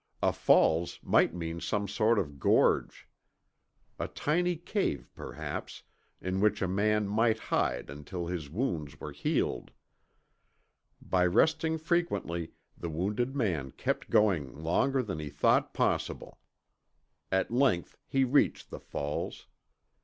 A falls might mean some sort of gorge, a tiny cave perhaps, in which a man might hide until his wounds were healed. By resting frequently, the wounded man kept going longer than he thought possible. At length he reached the falls.